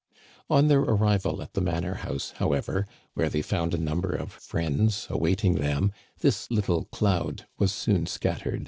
On their arrival at the manor house, however, where they found a number of friends awaiting them, this little cloud was soon scattered.